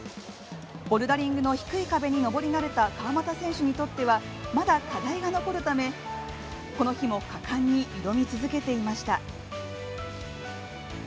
ボルダリングの低い壁に登り慣れた川又選手にとってはまだ課題が残るため、この日も果敢に挑み続けていました。